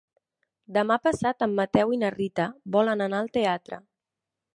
Demà passat en Mateu i na Rita volen anar al teatre.